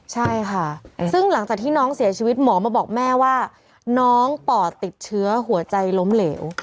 ใช่ค่ะซึ่งหลังจากที่น้องเสียชีวิตหมอมาบอกแม่ว่าน้องปอดติดเชื้อหัวใจล้มเหลว